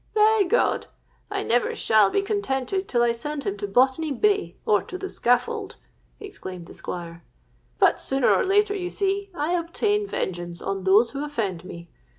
'—'By God! I never shall be contented till I send him to Botany Bay, or to the scaffold!' exclaimed the Squire. 'But sooner or later, you see, I obtain vengeance on those who offend me.